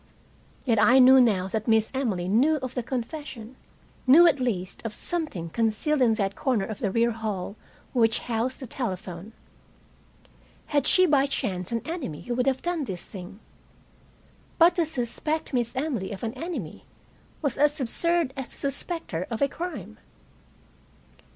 Yet I knew now that Miss Emily knew of the confession; knew, at least, of something concealed in that corner of the rear hall which housed the telephone. Had she by chance an enemy who would have done this thing? But to suspect Miss Emily of an enemy was as absurd as to suspect her of a crime.